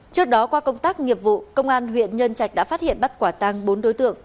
trước đó qua công tác nghiệp vụ công an huyện nhân trạch đã phát hiện bắt quả tăng bốn đối tượng